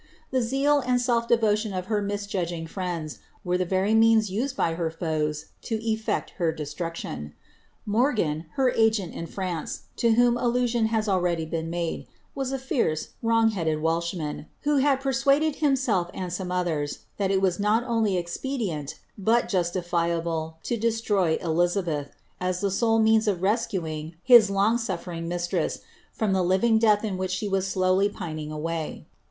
The zeal and self devotion of her misjudging friends were the very means used by her foes to eflect her destruction. Morgan, her agent in France, to whom ilhision has already been made, was a fierce, wrong headed Welchman, vho had persuaded himself, and some others, that it was not only expe iienti but justifiable, to destroy Elizabeth, as the sole means of rescuing bis long sufilering mistress from the living death in which she was slowly pining away.